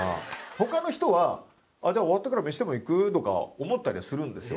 他の人はじゃあ終わったから飯でも行く？とか思ったりはするんですよ。